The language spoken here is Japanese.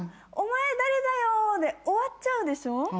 「お前誰だよ⁉」で終わっちゃうでしょ？